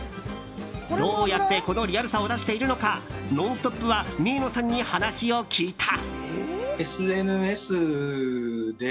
どうやってこのリアルさを出しているのか「ノンストップ！」は三重野さんに話を聞いた。